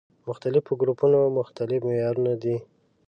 مختلفو ګروپونو مختلف معيارونه دي.